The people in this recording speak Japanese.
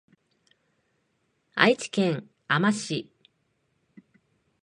愛知県あま市